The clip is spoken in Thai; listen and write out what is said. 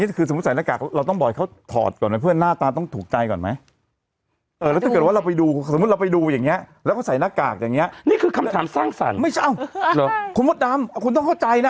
แต่ว่าเอาไว้เป็นว่าหลายคนก็พยายามจะบอก